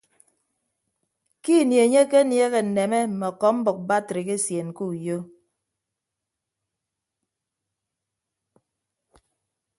Ke ini enye akenieehe nneme mme ọkọmbʌk batrik esien ke uyo.